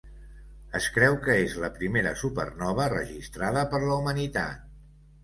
Es creu que és la primera supernova registrada per la humanitat.